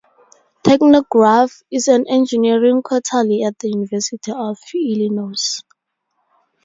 "Technograph" is an engineering quarterly at the University of Illinois.